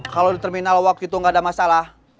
kalau di terminal waktu itu nggak ada masalah